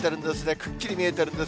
くっきり見えてるんです。